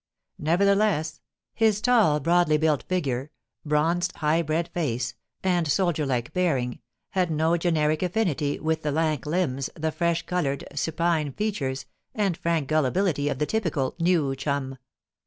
Nevertheless, his tall, broadly built figure, bronzed, high bred face, and soldier like bearing, had no generic affinity with the lank limbs, the fresh coloured, supine features, and I — 2 4 POLICY AND PASSION. frank gullibility of the typical neiv chum.